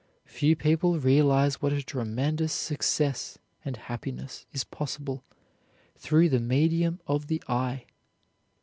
Few people realize what a tremendous success and happiness is possible through the medium of the eye.